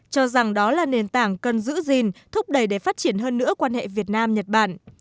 cho rằng đó là nền tảng cần giữ gìn thúc đẩy để phát triển hơn nữa quan hệ việt nam nhật bản